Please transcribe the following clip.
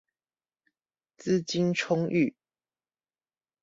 資金充裕